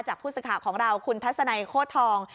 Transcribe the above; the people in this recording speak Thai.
จากผู้ศึกษาของเราคุณทัศนัยโฆษธอง